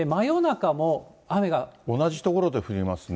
同じ所で降りますね。